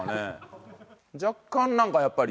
若干なんかやっぱり。